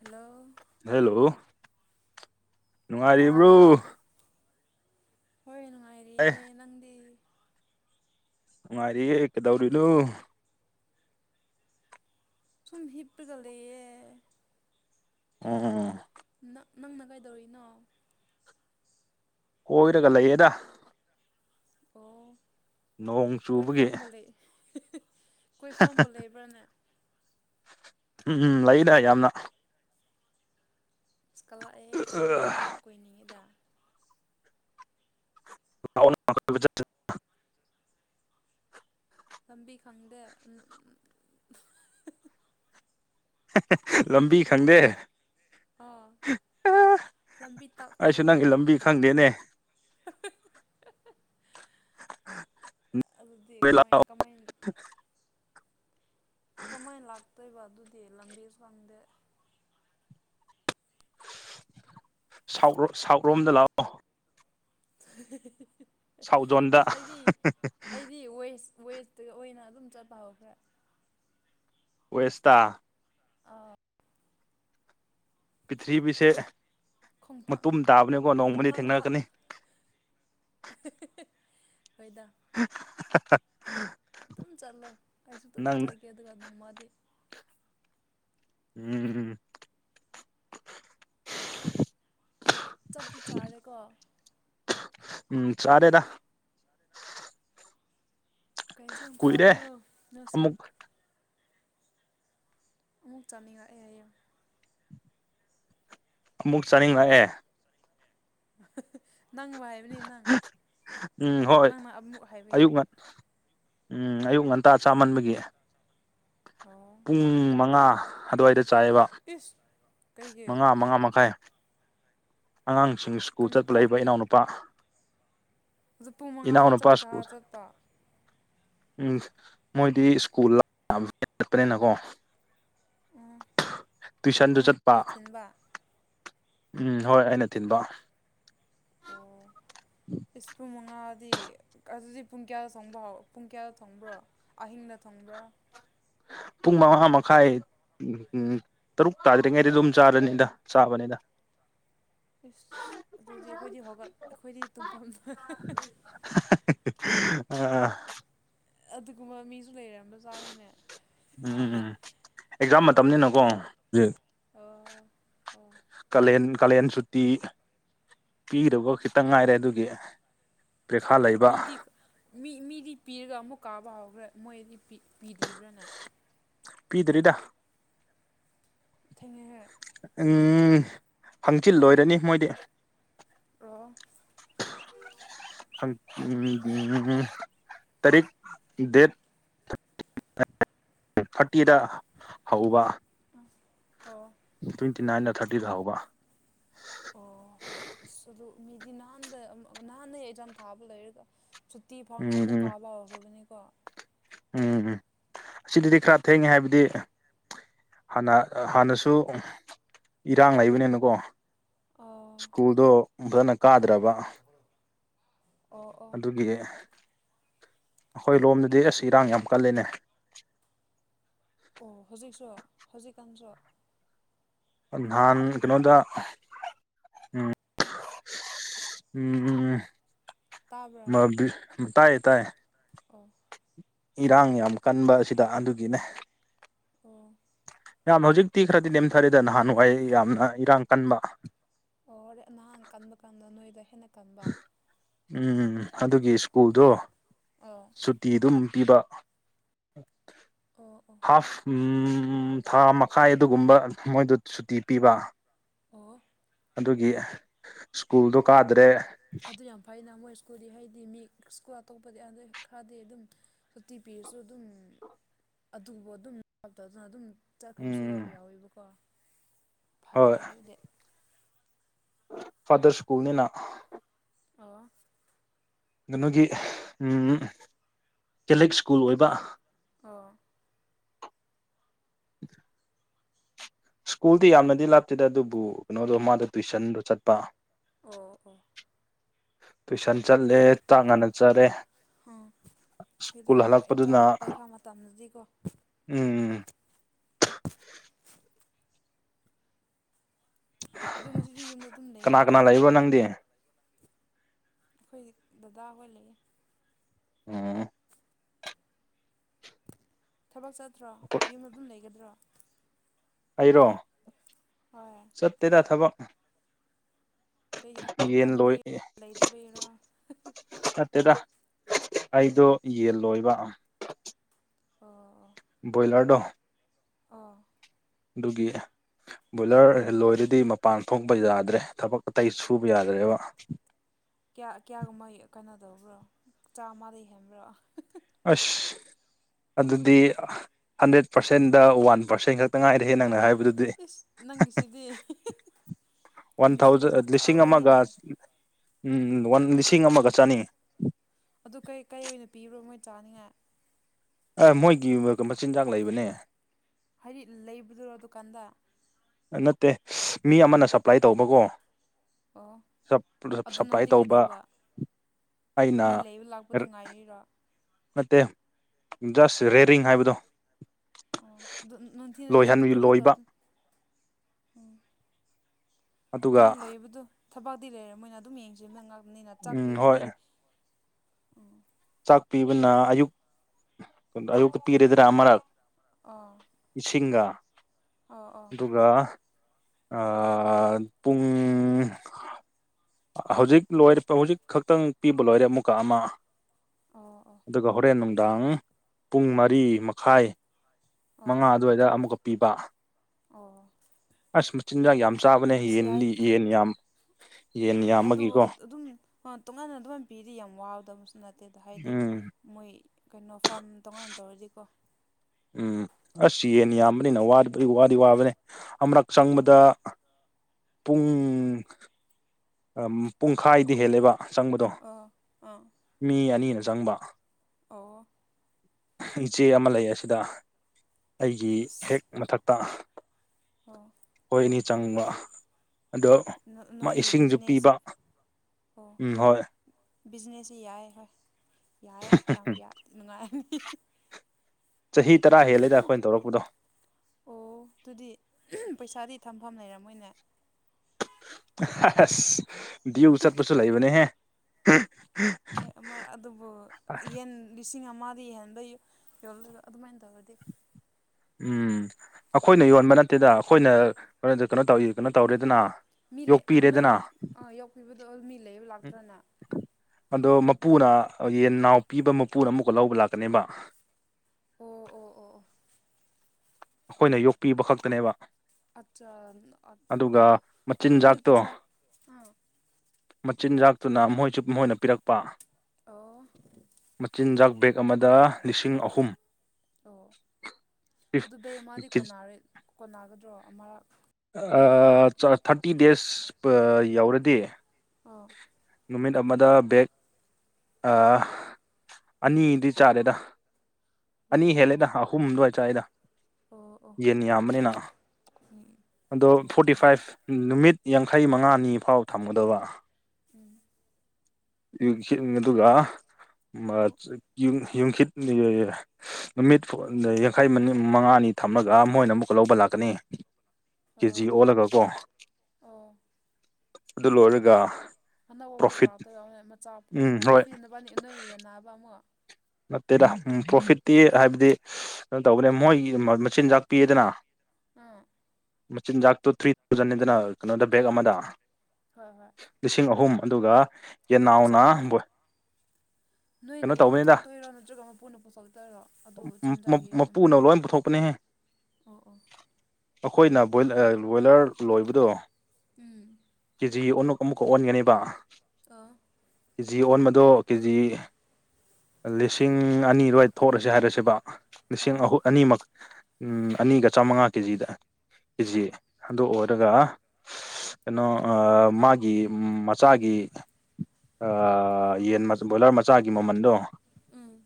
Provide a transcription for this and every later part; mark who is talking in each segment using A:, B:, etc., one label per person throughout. A: Hello
B: hello
A: ꯇꯥꯗ꯭ꯔꯣ ꯍꯣꯏ
B: ꯑꯦ
A: ꯅꯨꯡꯉꯥꯏꯔꯤꯌꯦ ꯅꯪꯗꯤ
B: ꯅꯨꯡꯉꯥꯏꯔꯤꯌꯦ ꯀꯗꯧꯔꯤꯅꯣ
A: ꯁꯨꯝ ꯍꯤꯞꯄꯒ ꯂꯩꯌꯦ
B: ꯑꯣ
A: ꯅꯛ ꯅꯪꯅ ꯀꯩꯗꯧꯔꯤꯅꯣ
B: ꯀꯣꯏꯔꯒ ꯂꯩꯌꯦꯗ
A: ꯑꯣ
B: ꯅꯣꯡ ꯆꯨꯕꯒꯤ
A: ꯀꯣꯏꯐꯝꯕꯨ ꯂꯩ ꯀꯣꯏꯐꯝꯕꯨ ꯂꯩꯕ꯭ꯔꯥꯅꯦ
B: ꯎꯝ ꯂꯩꯅ ꯌꯥꯝꯅ
A: ꯏꯁ ꯀꯠꯂꯛꯑꯦꯍꯦ ꯑꯗꯨꯗꯤ ꯑꯩꯈꯣꯏꯕꯨ ꯀꯣꯏꯅꯤꯡꯉꯤꯗ
B: [unintelligible]
A: ꯂꯝꯕꯤ ꯈꯪꯗꯦ ꯎꯝ
B: ꯂꯝꯕꯤ ꯈꯪꯗꯦ
A: ꯑꯥ ꯂꯝꯕꯤ ꯇꯥꯛꯄꯤꯌꯨ
B: ꯑꯩꯁꯨ ꯅꯪꯒꯤ ꯂꯝꯕꯤ ꯈꯪꯗꯦꯅꯦ
A: ꯑꯗꯨꯗꯤ
B: ꯅꯣꯏ
A: ꯀꯃꯥꯏꯟ
B: ꯂꯥꯛꯑꯣ
A: ꯀꯃꯥꯏꯟ ꯀꯃꯥꯏꯟ ꯂꯥꯛꯇꯣꯏꯕ ꯑꯗꯨꯗꯤ ꯂꯝꯕꯤꯁꯨ ꯈꯪꯗꯦ
B: ꯁꯥꯎꯠꯔꯣꯝ ꯁꯥꯎꯠꯔꯣꯝꯗ ꯂꯥꯛꯑꯣ ꯁꯥꯎꯠ ꯖꯣꯟꯗ
A: ꯏꯁ ꯑꯩꯗꯤ ꯑꯩꯗꯤ ꯋꯦꯁꯠ ꯋꯦꯁꯠꯇꯥꯒ ꯑꯣꯏꯅ ꯑꯗꯨꯝ ꯆꯠꯄ ꯍꯧꯈ꯭ꯔꯦ
B: ꯋꯦꯁꯠꯇꯥ
A: ꯑꯥ
B: ꯄ꯭ꯔꯤꯊ꯭ꯔꯤꯕꯤꯁꯦ
A: ꯈꯣꯡꯊꯥꯡ
B: ꯃꯇꯨꯝ ꯇꯥꯕꯅꯤꯀꯣ ꯅꯣꯡꯃꯅꯤ
A: ꯈꯣꯡꯊꯥꯡ ꯊꯥꯡ
B: ꯊꯦꯡꯅꯔꯛꯀꯅꯤ
A: ꯍꯣꯏꯗ
B: [unintelligible]
A: ꯑꯗꯨꯝ ꯆꯠꯂꯣ ꯑꯩꯁꯨ ꯑꯗꯨꯝ
B: ꯅꯪ
A: ꯆꯠꯒꯦ ꯑꯗꯨꯒ ꯅꯣꯡꯃꯥꯗꯤ
B: ꯎꯝ
A: ꯆꯥꯛꯇꯤ ꯆꯥꯔꯦꯀꯣ
B: ꯎꯝ ꯆꯥꯔꯦꯗꯥ
A: ꯀꯩ ꯑꯦꯟꯁꯥꯡ
B: ꯀꯨꯏꯔꯦ
A: ꯆꯥꯕꯅꯣ ꯉꯁꯤ
B: ꯑꯃꯨꯛ
A: ꯑꯃꯨꯛ ꯆꯥꯅꯤꯡꯉꯛꯑꯦ ꯍꯥꯏꯌꯦ
B: ꯑꯃꯨꯛ ꯆꯥꯅꯤꯡꯂꯛꯑꯦ
A: ꯅꯪꯕꯨ ꯍꯥꯏꯕꯅꯦ ꯅꯪ
B: ꯎꯝ ꯍꯣꯏ
A: ꯅꯪꯅ ꯑꯃꯨꯛ ꯍꯥꯏꯕꯒꯤ
B: ꯑꯌꯨꯛ ꯉꯟ ꯎꯝ ꯑꯌꯨꯛ ꯉꯟꯇꯥ ꯆꯥꯃꯟꯕꯒꯤ
A: ꯑꯣ
B: ꯄꯨꯡ ꯃꯉꯥ ꯑꯗꯨꯋꯥꯏꯗ ꯆꯥꯏꯌꯦꯕ
A: ꯏꯁ ꯀꯩꯒꯤ
B: ꯃꯉꯥ ꯃꯉꯥ ꯃꯈꯥꯏ ꯑꯉꯥꯡꯁꯤꯡ ꯁ꯭ꯀꯨꯜ
A: ꯀꯅꯥ
B: ꯆꯠꯄ
A: ꯀꯥꯏ
B: ꯂꯩꯕ ꯏꯅꯥꯎꯅꯨꯄꯥ
A: ꯑꯗꯣ ꯄꯨꯡ ꯃꯉꯥꯗ
B: ꯏꯅꯥꯎꯅꯨꯄꯥ
A: ꯆꯠ ꯆꯔꯥ
B: ꯁ꯭ꯀꯨꯜ
A: ꯆꯠꯄ
B: ꯎꯝ ꯃꯣꯏꯗꯤ ꯁ꯭ꯀꯨꯜ [unintelligible] ꯆꯠꯄꯅꯤꯅꯀꯣ
A: ꯎꯝ
B: ꯇꯨꯏꯁꯟꯗꯨ
A: ꯅꯪ
B: ꯆꯠꯄ
A: ꯅꯪꯅ ꯊꯤꯟꯕ
B: ꯎꯝ ꯍꯣꯏ ꯑꯩꯅ ꯊꯤꯟꯕ
A: ꯑꯣ ꯏꯁ ꯄꯨꯡ ꯃꯉꯥꯗꯤ ꯑꯗꯨꯗꯤ ꯄꯨꯡ ꯀꯌꯥꯗ ꯊꯣꯡꯕ ꯍꯧ ꯄꯨꯡ ꯀꯌꯥꯗ ꯊꯣꯡꯕ꯭ꯔꯣ ꯑꯍꯤꯡꯗ ꯊꯣꯡꯕ꯭ꯔꯥ
B: ꯄꯨꯡ ꯃꯉꯥ ꯃꯈꯥꯏ [unintelligible] ꯇꯔꯨꯛ ꯇꯥꯗ꯭ꯔꯤꯉꯩꯗꯤ ꯑꯗꯨꯝ ꯆꯥꯔꯅꯤꯗ ꯆꯥꯕꯅꯤꯗ
A: ꯏꯁ ꯑꯗꯨꯗꯤ ꯑꯩꯈꯣꯏꯗꯤ ꯍꯧꯒꯠ ꯑꯩꯈꯣꯏꯗꯤ ꯇꯨꯝꯐꯝꯗ
B: ꯑꯥ
A: ꯑꯗꯨꯒꯨꯝꯕ ꯃꯤꯁꯨ ꯂꯩꯔꯝꯕ
B: ꯎꯝ ꯎꯝ ꯑꯦꯛꯖꯥꯝ ꯃꯇꯝꯅꯤꯅꯀꯣ ꯍꯧꯖꯤ
A: ꯑꯣ ꯑꯣ
B: ꯀꯥꯂꯦꯟ ꯀꯥꯂꯦꯟ ꯁꯨꯇꯤ ꯄꯤꯔꯕ ꯈꯤꯇꯪ ꯉꯥꯏꯔꯦ ꯑꯗꯨꯒꯤ ꯄ꯭ꯔꯤꯈꯥ
A: ꯑꯣ
B: ꯂꯩꯕ
A: ꯃꯤꯗꯤ ꯃꯤ ꯃꯤꯗꯤ ꯄꯤꯔꯒ ꯑꯃꯨꯛ ꯀꯥꯕ ꯍꯧꯎꯈ꯭ꯔꯦ ꯃꯣꯏꯗꯤ ꯄꯤꯗ꯭ꯔꯤꯕ꯭ꯔꯥꯅꯦ
B: ꯄꯤꯗ꯭ꯔꯤꯗ
A: ꯊꯦꯡꯉꯦꯍꯦ
B: ꯎꯝ ꯍꯪꯆꯤꯜ ꯂꯣꯏꯔꯅꯤ ꯃꯣꯏꯗꯤ
A: ꯔꯣ
B: ꯍꯪ ꯎꯝ ꯇꯥꯔꯤꯛ ꯗꯦꯠ [unintelligible] ꯊꯥꯔꯇꯤꯗ ꯍꯧꯕ
A: ꯑꯣ
B: ꯇ꯭ꯋꯦꯟꯇꯤ ꯅꯥꯏꯟꯗ ꯊꯥꯔꯇꯤꯗ ꯍꯧꯕ
A: ꯑꯣ ꯑꯁ ꯑꯗꯨ ꯃꯤꯗꯤ ꯅꯍꯥꯟꯗ ꯅꯍꯥꯟꯅ ꯑꯦꯛꯖꯥꯝ ꯊꯥꯕ ꯂꯩꯔꯒ ꯁꯨꯇꯤ ꯐꯪꯉ ꯑꯃꯨꯛ
B: ꯎꯝ
A: ꯀꯥꯕ ꯍꯧꯈ꯭ꯔꯕꯅꯤꯀꯣ
B: ꯎꯝ ꯎꯝ ꯑꯁꯤꯗꯗꯤ ꯈꯔ ꯊꯦꯡꯉꯦ ꯍꯥꯏꯕꯗꯤ ꯍꯥꯟꯅ ꯍꯥꯟꯅꯁꯨ ꯏꯔꯥꯡ ꯂꯩꯕꯅꯦꯅꯀꯣ
A: ꯑꯣ
B: ꯁ꯭ꯀꯨꯜꯗꯣ ꯐꯖꯅ ꯀꯥꯗ꯭ꯔꯕ
A: ꯑꯣ ꯑꯣ
B: ꯑꯗꯨꯒꯤ ꯑꯩꯈꯣꯏ ꯂꯣꯝꯗꯗꯤ ꯑꯁ ꯏꯔꯥꯡ ꯌꯥꯝ ꯀꯜꯂꯦꯅꯦ
A: ꯑꯣ ꯍꯧꯖꯤꯛꯁꯨ ꯍꯧꯖꯤꯛꯀꯥꯟꯁꯨ
B: ꯅꯍꯥꯟ ꯀꯩꯅꯣꯗ ꯎꯝ ꯎꯝ
A: ꯇꯥꯕ꯭ꯔꯥ
B: ꯇꯥꯏꯌꯦ ꯇꯥꯏꯌꯦ
A: ꯇꯥꯏ ꯇꯥꯏ ꯑꯣ
B: ꯏꯔꯥꯡ ꯌꯥꯝ ꯀꯟꯕ ꯑꯁꯤꯗ ꯑꯗꯨꯒꯤꯅꯦ
A: ꯑꯣ
B: ꯌꯥꯝ ꯍꯧꯖꯤꯛꯇꯤ ꯈꯔꯗꯤ ꯅꯦꯝꯊꯔꯦꯗ ꯅꯍꯥꯟꯋꯥꯏ ꯌꯥꯝꯅ ꯏꯔꯥꯡ ꯀꯟꯕ
A: ꯑꯣ ꯍꯣꯔꯦ ꯅꯍꯥꯟ ꯀꯟꯕ ꯀꯥꯟꯗ ꯅꯣꯏꯗ ꯍꯦꯟꯅ ꯀꯟꯕ
B: ꯎꯝ ꯑꯗꯨꯒꯤ ꯁ꯭ꯀꯨꯜꯗꯣ
A: ꯑꯥ
B: ꯁꯨꯇꯤ ꯑꯗꯨꯝ ꯄꯤꯕ
A: ꯑꯣ ꯑꯣ
B: ꯍꯥꯐ ꯎꯝ ꯊꯥ ꯃꯈꯥꯏ ꯑꯗꯨꯒꯨꯝꯕ ꯃꯣꯏꯗꯨ ꯁꯨꯇꯤ ꯄꯤꯕ
A: ꯑꯣ
B: ꯑꯗꯨꯒꯤ ꯁ꯭ꯀꯨꯜꯗꯣ ꯀꯥꯗꯔꯦ
A: ꯑꯗꯨ ꯌꯥꯝ ꯐꯩꯅꯦ ꯃꯣꯏ ꯀꯨꯜꯗꯤ ꯍꯥꯏꯗꯤ ꯃꯤ ꯁ꯭ꯀꯨꯜ ꯑꯇꯣꯞꯄꯗꯤ ꯑꯗꯩ ꯈꯔꯗꯤ ꯑꯗꯨꯝ ꯁꯨꯇꯤ ꯄꯤꯔꯁꯨ ꯑꯗꯨꯝ ꯑꯗꯨꯕꯨ ꯑꯗꯨꯝ ꯉꯇꯗꯅ ꯑꯗꯨꯝ ꯆꯠꯈ꯭ꯔꯕꯁꯨ
B: ꯎꯝ
A: ꯌꯥꯎꯋꯦꯕꯀꯣ
B: ꯍꯣꯏ
A: ꯐꯩꯌꯦꯗ ꯑꯗꯨꯗꯤ
B: ꯐꯥꯗꯔ ꯁ꯭ꯀꯨꯜꯅꯦꯅ
A: ꯑꯣ
B: ꯅꯨꯅꯨꯒꯤ ꯎꯝ ꯀꯦꯊꯂꯤꯛ ꯁ꯭ꯀꯨꯜ ꯑꯣꯏꯕ
A: ꯑꯣ
B: [inaudible] ꯁ꯭ꯀꯨꯜꯗꯤ ꯌꯥꯝꯅꯗꯤ ꯂꯥꯞꯇꯦꯗ ꯑꯗꯨꯕꯨ ꯀꯩꯅꯣꯗꯣ ꯃꯥꯗꯣ ꯇꯨꯏꯁꯟꯗꯣ ꯆꯠꯄ꯫
A: ꯑꯣ ꯑꯣ꯫
B: ꯇꯨꯏꯁꯟ ꯆꯠꯂꯦ
A: ꯍꯣꯏꯗ
B: ꯆꯥꯛ ꯉꯟꯅ ꯆꯥꯔꯦ
A: ꯑꯗꯨꯗ
B: ꯁ꯭ꯀꯨꯜ
A: ꯑꯦꯛꯖꯥꯝ
B: ꯍꯜꯂꯛꯄꯗꯨꯅ
A: ꯄꯩꯈꯥ ꯃꯇꯝꯗꯗꯤꯀꯣ
B: ꯎꯝ
A: ꯑꯗꯨ ꯉꯁꯤꯗꯤ ꯌꯨꯝꯗ ꯑꯗꯨꯝ ꯂꯩꯒꯗ꯭ꯔꯥ꯫
B: ꯕ꯭ꯔꯣ ꯅꯪꯗꯤ꯫
A: ꯈꯣꯏꯗꯤ ꯗꯗꯥ ꯈꯣꯏ ꯂꯩꯌꯦ꯫
B: ꯎꯝ꯫
A: ꯊꯕꯛ ꯆꯠꯇ꯭ꯔꯣ ꯌꯨꯝꯗ ꯗꯨꯝ ꯂꯩꯒꯗ꯭ꯔꯣ꯫
B: ꯑꯩꯔꯣ꯫
A: ꯍꯣꯏ꯫
B: ꯆꯠꯇꯦꯗ ꯊꯕꯛ꯫
A: ꯀꯩꯒꯤꯅꯣ
B: ꯌꯦꯟ ꯂꯣꯏ
A: ꯇꯟꯕꯩ ꯂꯩꯇꯕꯩꯔꯣ꯫
B: ꯅꯠꯇꯦꯗ ꯑꯩꯗꯣ ꯌꯦꯟ ꯂꯣꯏꯕ꯫
A: ꯑꯣ ꯑꯣ
B: ꯕꯣꯏꯂ꯭ꯔꯗꯣ
A: ꯑꯥ
B: ꯑꯗꯨꯒꯤ ꯕꯣꯏꯂꯔ ꯂꯣꯏꯔꯗꯤ ꯃꯄꯥꯟ ꯊꯣꯛꯄ ꯌꯥꯗ꯭ꯔꯦ ꯊꯕꯛ ꯑꯇꯩ ꯁꯨꯕ ꯌꯥꯗ꯭ꯔꯦꯕ
A: ꯀꯌꯥ ꯀꯌꯥꯒꯨꯝꯕꯩ ꯀꯩꯅꯣ ꯇꯧꯕ꯭ꯔꯣ ꯆꯥꯃ ꯗꯩ ꯍꯦꯟꯕ꯭ꯔꯣ
B: ꯑꯁ ꯑꯗꯨꯗꯤ ꯍꯟꯗ꯭ꯔꯦꯠ ꯄꯥꯔꯁꯦꯟꯗ ꯋꯥꯟ ꯄꯥꯔꯁꯦꯟ ꯈꯛꯇ ꯉꯥꯏꯔꯦ ꯍꯦ ꯅꯪꯅ ꯍꯥꯏꯕꯗꯨ
A: ꯏꯁ ꯅꯪꯒꯤꯁꯤꯗꯤ
B: ꯋꯥꯟ ꯊꯥꯎꯖꯟ
A: ꯕꯤꯖꯤꯅꯦꯁ
B: ꯂꯤꯁꯤꯡ ꯑꯃꯒ
A: ꯑꯆꯧꯕꯅꯤꯅꯦ
B: ꯎꯝ ꯋꯥꯟ ꯂꯤꯁꯤꯡ
A: ꯑꯣ
B: ꯑꯃꯒ ꯆꯥꯅꯤ
A: ꯑꯗꯨ ꯀꯩ ꯀꯩ ꯑꯣꯏꯅ ꯄꯤꯕ꯭ꯔꯣ ꯃꯣꯏ ꯆꯥꯅꯤꯡꯉꯥꯏ
B: ꯑꯦ ꯃꯣꯏꯒꯤ ꯃꯆꯤꯟꯖꯥꯛ ꯂꯩꯕꯅꯦ
A: ꯍꯥꯏꯗꯤ ꯂꯩꯕꯗꯨꯔꯣ ꯗꯨꯀꯥꯟꯗ
B: ꯅꯠꯇꯦ ꯃꯤ ꯑꯃꯅ ꯁꯄ꯭ꯂꯥꯏ ꯇꯧꯕꯀꯣ
A: ꯑꯣ
B: ꯁꯞ
A: ꯑꯗꯨ
B: ꯁꯄ꯭ꯂꯥꯏ
A: ꯅꯪꯗꯤ
B: ꯇꯧꯕ
A: ꯀꯩꯗꯧꯕ
B: ꯑꯩꯅ
A: ꯃꯤ ꯂꯩꯕ ꯂꯥꯛꯄꯗꯣ ꯉꯥꯏꯔꯤꯔꯣ
B: ꯅꯠꯇꯦ ꯖꯁ ꯔꯦꯗꯤꯡ ꯍꯥꯏꯕꯗꯣ
A: ꯑꯣ ꯑꯗꯣ ꯅꯨꯡꯇꯤꯟꯗꯤ
B: ꯂꯣꯏꯍꯟ
A: ꯀꯩꯝ
B: ꯂꯣꯏꯕ
A: ꯇꯧꯗꯦ
B: ꯑꯗꯨꯒ
A: ꯅꯪꯅ ꯂꯩꯕꯗꯨ ꯊꯕꯛꯇꯤ ꯂꯩꯔꯝꯃꯣꯏꯅ ꯑꯗꯨꯝ ꯌꯦꯡꯁꯤꯟꯕ ꯉꯥꯛ ꯅꯤꯅ ꯆꯥꯛ
B: ꯎꯝ ꯍꯣꯏ
A: ꯄꯤꯕꯗꯤ ꯎꯝ
B: ꯆꯥꯛ ꯄꯤꯕꯅ ꯑꯌꯨꯛ ꯑꯌꯨꯛꯇ ꯄꯤꯔꯦꯗꯅꯥ ꯑꯃꯔꯛ
A: ꯑꯥ
B: ꯏꯁꯤꯡꯒ ꯑꯗꯨꯒ ꯑꯥ ꯄꯨꯡ ꯍꯧꯖꯤꯛ ꯂꯣꯏ ꯍꯧꯖꯤꯛ ꯈꯛꯇꯪ ꯄꯤꯕ ꯂꯣꯏꯔꯦ ꯑꯃꯨꯛꯀ ꯑꯃ
A: ꯑꯣ ꯑꯣ
B: ꯑꯗꯨꯒ ꯍꯣꯔꯦꯟ ꯅꯨꯡꯗꯥꯡ ꯄꯨꯡ ꯃꯔꯤ ꯃꯈꯥꯏ
A: ꯑꯣ
B: ꯃꯉꯥ
A: ꯑꯣ
B: ꯑꯗꯨꯋꯥꯏꯗ ꯑꯃꯨꯛꯀ ꯄꯤꯕ
A: ꯑꯣ
B: ꯑꯁ ꯃꯆꯤꯟꯖꯥꯛ ꯌꯥꯝ ꯆꯥꯕꯅꯦ
A: ꯏꯁ ꯌꯥꯏ
B: ꯌꯦꯟꯗꯤ ꯌꯦꯟ ꯌꯥꯝ ꯌꯦꯟ
A: ꯑꯗꯨꯕꯨ
B: ꯌꯥꯝꯕꯒꯤꯀꯣ
A: ꯑꯗꯨꯝ ꯇꯣꯉꯥꯟꯅ ꯑꯗꯨꯃꯥꯏ ꯄꯤꯔꯤ ꯌꯥꯝ ꯋꯥꯒꯗꯕꯁꯨ ꯅꯠꯇꯦꯗ ꯍꯥꯏꯗꯤ
B: ꯎꯝ
A: ꯃꯣꯏ ꯀꯩꯅꯣ ꯐꯥꯔꯝ ꯇꯣꯉꯥꯟꯅ ꯇꯧꯔꯗꯤꯀꯣ
B: ꯎꯝ ꯑꯁ ꯌꯦꯟ ꯌꯥꯝꯕꯅꯤꯅꯗꯤ ꯋꯥ ꯋꯥꯗꯤ ꯋꯥꯕꯅꯤ ꯑꯃꯔꯛ
A: ꯑꯣ
B: ꯆꯪꯕꯗ ꯄꯨꯡ ꯎꯝ ꯄꯨꯡꯈꯥꯏꯗꯤ ꯍꯦꯜꯂꯦꯕ ꯆꯪꯕꯗꯣ
A: ꯑꯣ ꯑꯣ
B: ꯃꯤ ꯑꯅꯤꯅ ꯆꯪꯕ
A: ꯑꯣ
B: ꯏꯆꯦ ꯑꯃ ꯂꯩꯌꯦ ꯑꯁꯤꯗ ꯑꯩꯒꯤ ꯍꯦꯛ
A: ꯑꯁ
B: ꯃꯊꯛꯇ
A: ꯑꯣ
B: ꯈꯣꯏꯅꯤ ꯆꯪꯕ ꯑꯗꯣ ꯃꯥ ꯏꯁꯤꯡꯁꯨ
A: ꯅꯦꯁ
B: ꯄꯤꯕ
A: ꯑꯣ
B: ꯎꯝ ꯍꯣꯏ
A: ꯕꯤꯖꯤꯅꯦꯁ ꯌꯥꯏ ꯍꯣꯏ ꯌꯥꯏꯌꯦ ꯌꯥꯝ ꯌꯥ ꯅꯨꯡꯉꯥꯏꯅꯤ
B: ꯆꯍꯤ ꯇꯔꯥ ꯍꯦꯜꯂꯦꯗ ꯑꯩꯈꯣꯏꯅ ꯇꯧꯔꯛꯄꯗꯣ
A: ꯑꯣ ꯑꯗꯨꯗꯤ ꯄꯩꯁꯥꯗꯤ ꯊꯝꯐꯝ ꯂꯩꯔꯝ ꯃꯣꯏꯅꯦ
B: ꯗꯤꯌꯨ ꯆꯠꯄꯁꯨ ꯂꯩꯕꯅꯦꯍꯦ
A: ꯍꯣꯏ ꯑꯃ ꯑꯗꯨꯕꯨ ꯌꯦꯟ ꯂꯤꯁꯤꯡ ꯑꯃꯗꯤ ꯍꯦꯟꯕꯗꯤ ꯌꯣꯜꯂꯒ ꯑꯗꯨꯃꯥꯏꯅ ꯇꯧꯔꯗꯤ
B: ꯎꯝ ꯑꯩꯈꯣꯏꯅ ꯌꯣꯟꯕ ꯅꯠꯇꯦꯗ ꯑꯩꯈꯣꯏꯅ ꯀꯩꯅꯣ ꯇꯧꯏ ꯀꯩꯅꯣ ꯇꯧꯔꯦꯗꯅ
A: ꯃꯤ ꯂꯩ
B: ꯌꯣꯛꯄꯤꯔꯦꯗꯅ
A: ꯅꯣꯏꯅ ꯌꯣꯛꯄꯤꯕꯗꯣ ꯃꯤ ꯂꯩꯕ ꯂꯥꯛꯇ꯭ꯔꯅ
B: ꯑꯗꯣ ꯃꯄꯨꯅ ꯌꯦꯟ ꯅꯥꯎ ꯄꯤꯕ ꯃꯄꯨꯅ ꯑꯃꯨꯛꯀ ꯂꯧꯕ ꯂꯥꯛꯀꯅꯦꯕ
A: ꯑꯣ ꯑꯣ ꯑꯣ ꯑꯣ
B: ꯑꯩꯈꯣꯏꯅ ꯌꯣꯛꯄꯤꯕ ꯈꯛꯇꯅꯦꯕ
A: ꯑꯠꯆꯥꯥ ꯑꯗꯨ
B: ꯑꯗꯨꯒ
A: ꯑꯗꯨ ꯅꯣꯏ
B: ꯃꯆꯤꯟꯖꯥꯛꯇꯣ
A: ꯄꯩꯁꯥ ꯑꯥ
B: ꯃꯆꯤꯟꯖꯥꯛꯇꯨꯅ ꯃꯣꯏꯁꯨ ꯃꯣꯏꯅ ꯄꯤꯔꯛꯄ
A: ꯑꯣ
B: ꯃꯆꯤꯟꯖꯥꯛ ꯕꯦꯛ ꯑꯃꯗ ꯂꯤꯁꯤꯡ ꯑꯍꯨꯝ
A: ꯑꯣ ꯑꯗꯨ ꯕꯦ ꯃꯥꯗꯤ ꯀꯣꯟꯅꯒꯗ꯭ꯔꯣ ꯑꯃꯔꯛ ꯀꯩꯅꯣ
B: ꯑꯥ
A: ꯇꯧꯕꯗ
B: ꯊꯥꯔꯇꯤ ꯗꯦꯖ ꯌꯥꯎꯔꯗꯤ
A: ꯑꯣ
B: ꯅꯨꯃꯤꯠ ꯑꯃꯗ ꯕꯦꯛ ꯑꯅꯤꯗꯤ ꯆꯥꯂꯦꯗ ꯑꯅꯤ
A: ꯑꯣ
B: ꯍꯦꯜꯂꯦꯗ ꯑꯍꯨꯝ ꯑꯗꯨꯋꯥꯏ ꯆꯏꯗ
A: ꯑꯣ ꯑꯣ ꯎꯝ
B: ꯑꯗꯣ
A: ꯍꯣꯏ
B: ꯐꯣꯔꯇꯤ
A: ꯌꯥꯝꯃꯝꯃꯦ
B: ꯐꯥꯏꯚ ꯅꯨꯃꯤꯠ ꯌꯥꯡꯈꯩ ꯃꯉꯥꯅꯤ ꯐꯥꯎ ꯊꯝꯒꯗꯕ
A: ꯎꯝ
B: ꯌꯨꯈꯤꯠ ꯑꯗꯨꯒ
A: ꯑꯃꯨꯛ
B: ꯌꯨꯝꯈꯤꯠ ꯅꯨꯃꯤꯠ ꯌꯥꯡꯈꯩ ꯃꯉꯥꯅꯤ ꯊꯝꯂꯒ ꯃꯣꯏꯅ ꯑꯃꯨꯛꯀ ꯂꯧꯕ ꯂꯥꯛꯀꯅꯤ ꯀꯦ ꯖꯤ
A: ꯑꯣ
B: ꯑꯣꯜꯂꯒ ꯀꯣ
A: ꯑꯣ
B: ꯑꯗꯨ ꯂꯣꯏꯔꯒ
A: ꯑꯅꯧ ꯑꯃꯨꯛ
B: ꯄ꯭ꯔꯣꯐꯤꯠ
A: ꯄꯨꯔꯥ ꯇꯧꯎ ꯃꯆꯥ
B: ꯎꯝ ꯍꯣꯏ
A: ꯄ꯭ꯔꯣꯐꯤꯠꯅ ꯄꯅꯤ ꯅꯣꯏꯅ ꯌꯦꯟꯅꯕ ꯑꯃꯨꯛ
B: ꯅꯠꯇꯦꯗ ꯄ꯭ꯔꯣꯐꯤꯠꯇꯤ ꯍꯥꯏꯕꯗꯤ ꯑꯗꯨ ꯇꯧꯕꯅꯦ ꯃꯣꯏ ꯃꯆꯤꯟꯖꯥꯛ ꯄꯤꯌꯦꯗꯅ
A: ꯑꯥ
B: ꯃꯆꯤꯟꯖꯥꯛꯇꯣ ꯊ꯭ꯔꯤ ꯊꯥꯎꯖꯟꯅꯤꯗꯅ ꯀꯩꯅꯣꯗ ꯕꯦꯛ ꯑꯃꯗ
A: ꯍꯣꯏ ꯍꯣꯏ
B: ꯂꯤꯁꯤꯡ ꯑꯍꯨꯝ ꯑꯗꯨꯒ
A: ꯑꯗꯨ
B: ꯌꯦꯅꯥꯎꯅ
A: ꯄꯩꯁꯥꯗꯨꯣ ꯅꯣꯏ ꯅꯣꯏꯅ
B: ꯀꯩꯅꯣ ꯇꯧꯕꯅꯤꯗ
A: ꯄꯨꯊꯣꯛꯇꯣꯏꯔꯣ ꯅꯠꯇ꯭ꯔꯒ ꯃꯄꯨꯅ ꯄꯨꯊꯣꯛ ꯇꯔꯣ ꯑꯗꯨ ꯆꯤꯟꯖꯥꯛꯒꯤ
B: ꯃꯄꯨꯅ
A: ꯃꯃꯜꯗꯦ
B: ꯂꯣꯏ ꯄꯨꯊꯣꯛꯄꯅꯦꯍꯦ
A: ꯑꯣ ꯑꯣ
B: ꯑꯩꯈꯣꯏꯅ ꯕꯣꯏꯂꯔ ꯕꯣꯏꯂꯔ ꯂꯣꯏꯕꯗꯣ
A: ꯎꯝ
B: ꯀꯦꯖꯤ ꯑꯣꯨꯛ ꯑꯃꯨꯛꯀꯛ ꯑꯣꯟꯒꯅꯦꯕ
A: [unintelligible]
B: ꯀꯦꯖꯤ ꯑꯣꯟꯕꯗꯣ ꯀꯦꯖꯤ ꯂꯤꯁꯤꯡ ꯑꯅꯤꯔꯣꯏ ꯊꯣꯛꯂꯁꯦ ꯍꯥꯏꯔꯁꯦꯕ ꯂꯤꯁꯤꯡ
A: ꯑꯥ
B: ꯑꯍꯨꯝ ꯑꯅꯤꯃꯛ ꯑꯅꯤꯒ ꯆꯥꯝꯃꯉꯥ ꯀꯦꯖꯤꯗ ꯀꯦꯖꯤ
A: ꯑꯥ
B: ꯑꯗꯨ
A: ꯑꯥ
B: ꯑꯣꯏꯔꯒ ꯀꯩꯅꯣ ꯃꯥꯒꯤ ꯃꯆꯥꯒꯤ ꯌꯦꯟ ꯕꯣꯏꯂꯔ ꯃꯆꯥꯒꯤ ꯃꯃꯟꯗꯣ
A: ꯎꯝ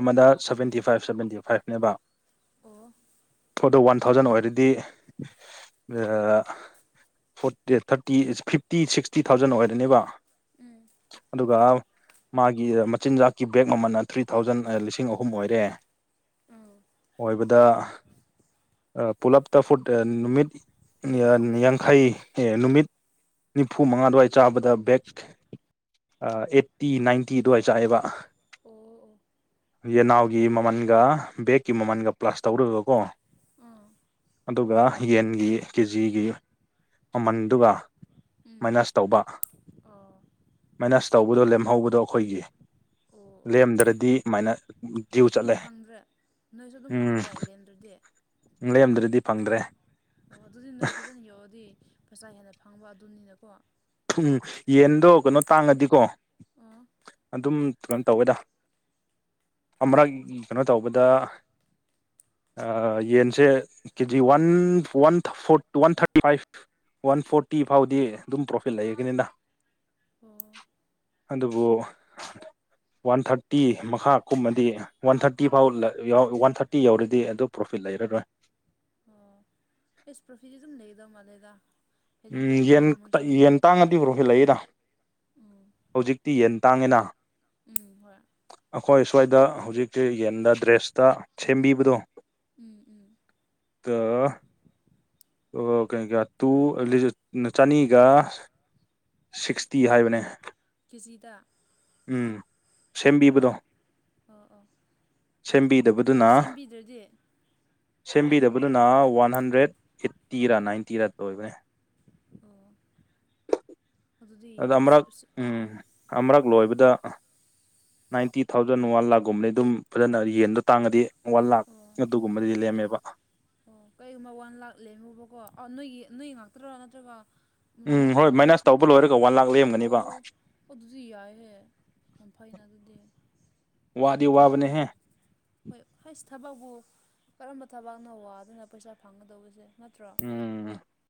B: ꯑꯃꯗ ꯁꯕꯦꯟꯇꯤ ꯐꯥꯏꯚ ꯁꯕꯦꯟꯇꯤ ꯐꯥꯏꯚꯅꯦꯕ
A: ꯑꯣ
B: ꯐꯣꯔꯗ ꯋꯥꯟ ꯊꯥꯎꯖꯟ ꯑꯣꯏꯔꯗꯤ forty thirty fifty sixty thousand ꯑꯣꯏꯔꯅꯦꯕ
A: ꯎꯝ
B: ꯑꯗꯨꯒ ꯃꯥꯒꯤ ꯃꯆꯤꯟꯖꯥꯛꯀꯤ ꯕꯦꯛ ꯃꯃꯜꯟꯅ ꯊ꯭ꯔꯤ ꯊꯥꯎꯖꯟ ꯂꯤꯁꯤꯡ ꯑꯍꯨꯝ ꯑꯣꯏꯔꯦ
A: ꯎꯝ
B: ꯑꯣꯏꯕꯗ ꯄꯨꯂꯞꯇ ꯐꯨꯗ ꯅꯨꯃꯤꯠ ꯌꯥꯡꯈꯩ ꯅꯨꯃꯤꯠ ꯅꯤꯐꯨ ꯃꯉꯥ ꯑꯗꯨꯋꯥꯏ ꯆꯥꯕꯗ ꯕꯦꯛ ꯑꯩꯠꯇꯤ ꯅꯥꯏꯟꯇꯤ ꯑꯗꯨꯋꯥꯏ ꯆꯥꯛꯑꯦꯕ
A: ꯑꯣ ꯑꯣ
B: ꯌꯦꯅꯥꯎꯒꯤ ꯃꯃꯜꯒ ꯕꯦꯛꯀꯤ ꯃꯃꯜꯒ ꯄ꯭ꯂꯁ ꯇꯧꯔꯒꯀꯣ
A: ꯑꯥ
B: ꯑꯗꯨꯒ ꯌꯦꯟꯒꯤ ꯀꯦꯖꯤꯒꯤ ꯃꯃꯟꯗꯨꯒ
A: ꯎꯝ
B: ꯃꯥꯏꯅꯁ ꯇꯧꯕ
A: ꯑꯥ
B: ꯃꯥꯏꯅꯁ ꯇꯧꯕꯗꯣ ꯂꯦꯝꯍꯧꯕꯗꯣ ꯑꯩꯈꯣꯏꯒꯤ
A: ꯑꯣ ꯑꯣ
B: ꯂꯦꯝꯗ꯭ꯔꯗꯤ ꯃꯥꯏꯅ ꯗ꯭ꯌꯨ ꯆꯠꯂꯦ
A: ꯑꯗꯨꯝ ꯐꯪꯗ꯭ꯔꯦ ꯅꯣꯏꯁꯨ ꯑꯗꯨꯝ
B: ꯎꯝ
A: ꯐꯪꯉꯔꯣꯏ ꯂꯦꯝꯗ꯭ꯔꯗꯤ
B: ꯂꯦꯝꯗ꯭ꯔꯗꯤ ꯐꯪꯗ꯭ꯔꯦ
A: ꯑꯣ ꯑꯗꯨꯗꯤ ꯅꯣꯏ ꯐꯖꯅ ꯌꯣꯛꯑꯗꯤ ꯄꯩꯁꯥ ꯍꯦꯟꯅ ꯐꯪꯕ ꯑꯗꯨꯅꯤꯅꯀꯣ
B: ꯌꯦꯟꯗꯣ ꯀꯩꯅꯣ ꯇꯥꯡꯉꯗꯤꯀꯣ
A: ꯑꯣ
B: ꯑꯗꯨꯝ ꯀꯩꯅꯣ ꯇꯧꯋꯦꯗ ꯑꯃꯔꯛ ꯀꯩꯅꯣ ꯇꯧꯕꯗ ꯌꯦꯟꯁꯦ ꯀꯦꯖꯤ one one four one thirty five one forty ꯐꯥꯎꯗꯤ ꯑꯗꯨꯝ ꯄ꯭ꯔꯣꯐꯤꯠ ꯂꯩꯒꯅꯤꯅ
A: ꯑꯣ
B: ꯑꯗꯨꯕꯨ ꯋꯥꯟ ꯊꯥꯔꯇꯤ ꯃꯈꯥ ꯀꯨꯝꯕꯗꯤ ꯋꯥꯟ ꯊꯥꯔꯇꯤ ꯐꯥꯎ ꯋꯥꯟ ꯊꯥꯔꯇꯤ ꯌꯧꯔꯗꯤ ꯑꯗꯨ ꯄ꯭ꯔꯣꯐꯤꯠ ꯂꯩꯔꯔꯣꯏ
A: ꯑꯥ ꯏꯁ ꯄ꯭ꯔꯣꯐꯤꯠꯗꯤ ꯑꯗꯨꯝ ꯂꯩꯒꯗꯕ ꯃꯥꯗꯦꯗ
B: ꯎꯝ ꯌꯦꯟ ꯌꯦꯟ ꯇꯥꯡꯉꯗꯤ ꯄꯔꯣꯐꯤꯠ ꯂꯩꯌꯦꯗ
A: ꯎꯝ
B: ꯍꯧꯖꯤꯛꯇꯤ ꯌꯦꯟ ꯇꯥꯡꯉꯤꯅ
A: ꯎꯝ ꯍꯣꯏ
B: ꯑꯩꯈꯣꯏ ꯁ꯭ꯋꯥꯏꯗ ꯍꯧꯖꯤꯛꯛꯇꯤ ꯌꯦꯟꯗ ꯗ꯭ꯔꯦꯁꯇ ꯁꯦꯝꯕꯤꯕꯗꯣ
A: ꯎꯝ ꯎꯝ
B: [unintelligible] ꯂꯤ ꯆꯅꯤꯒ ꯁꯤꯛꯁꯇꯤ ꯍꯥꯏꯕꯅꯦ
A: ꯀꯦꯖꯤꯗ
B: ꯎꯝ
A: ꯑꯣ
B: ꯁꯦꯝꯕꯤꯕꯗꯣ
A: ꯑꯣ ꯑꯣ
B: ꯁꯦꯝꯕꯤꯗꯕꯗꯨꯅ
A: ꯑꯗꯨ ꯁꯦꯝꯕꯤꯗ꯭ꯔꯗꯤ
B: ꯁꯦꯝꯕꯤꯗꯕꯗꯨꯅ ꯋꯥꯟ ꯍꯟꯗ꯭ꯔꯦꯗ ꯑꯦꯠꯇꯤꯔꯥ ꯅꯥꯏꯟꯇꯤꯔꯥ ꯑꯣꯏꯕꯅꯦ
A: ꯑꯣ ꯑꯗꯨꯗꯤ
B: ꯑꯗꯣ
A: ꯌꯥꯝ
B: ꯑꯃꯔꯛ ꯎꯝ ꯑꯃꯔꯛ ꯂꯣꯏꯕꯗ ꯅꯥꯏꯟꯇꯤ ꯊꯥꯎꯖꯟ ꯋꯥꯟ ꯂꯥꯛꯈꯀꯨꯝꯕꯅꯤ ꯑꯗꯨꯝ ꯐꯖꯅ ꯌꯦꯟꯗꯣ ꯇꯥꯡꯉꯗꯤ ꯋꯥꯟ
A: ꯑꯣ
B: ꯂꯥꯛꯈ
A: ꯑꯣ
B: ꯑꯗꯨꯒꯨꯝꯕꯗꯤ ꯂꯦꯝꯃꯦꯕ
A: ꯑꯣ ꯀꯩꯒꯨꯝꯕ ꯋꯥꯟ ꯂꯥꯛꯈ ꯂꯦꯝꯍꯧꯕꯀꯣ ꯑꯣ ꯅꯣꯏꯒꯤ ꯅꯣꯏ ꯉꯥꯛꯇꯔꯣ ꯅꯠꯇ꯭ꯔꯒ ꯎꯝ ꯅꯣꯏ
B: ꯍꯣꯏ
A: ꯀꯩꯅꯣ
B: ꯃꯥꯏꯅꯁ
A: ꯎꯝ
B: ꯇꯧꯕ ꯂꯣꯏꯔꯒ ꯋꯥꯟ ꯂꯥꯛ
A: ꯑꯣ
B: ꯂꯦꯝꯒꯅꯦꯕ
A: ꯑꯗꯨꯗꯤ ꯌꯥꯏꯍꯦ ꯌꯥꯝ ꯐꯩꯅ ꯑꯗꯨꯗꯤ
B: ꯋꯥꯗꯤ
A: ꯊꯥ
B: ꯋꯥꯕꯅꯦꯍꯦ
A: ꯑꯃꯗ ꯍꯣꯏ ꯍꯁ ꯊꯕꯛꯄꯨ ꯀꯔꯝꯕ ꯊꯕꯛꯅꯣ ꯋꯥꯗꯅ ꯄꯩꯁꯥ ꯐꯪꯒꯗꯧꯕꯁꯦ ꯅꯠꯇ꯭ꯔꯣ
B: ꯎꯝ